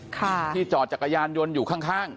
ค่ะที่จอดจักรยานยนต์อยู่ข้าง